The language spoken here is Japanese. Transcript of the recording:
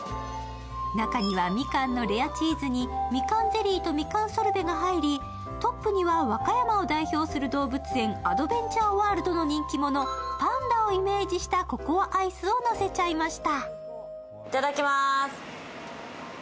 中にはみかんのレアチーズにみかんゼリーとみかんソルベが入りトップには和歌山を代表する動物園アドベンチャーワールドの人気者、パンダをイメージしたココアアイスをのせちゃいました。